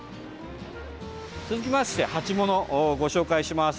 続きまして、鉢物をご紹介します。